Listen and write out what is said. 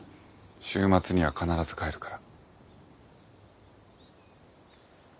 週末には必ず帰るから。